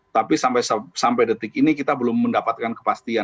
tapi sampai detik ini kita belum mendapatkan kepastian